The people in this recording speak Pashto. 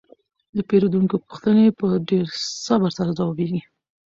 د پیرودونکو پوښتنې په ډیر صبر سره ځوابیږي.